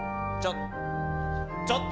ちょっと。